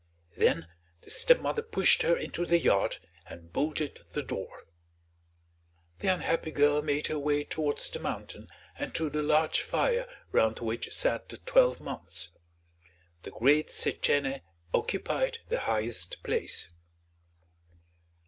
Then the stepmother pushed her into the yard and bolted the door. The unhappy girl made her way towards the mountain and to the large fire round which sat the twelve months. The great Setchène occupied the highest place.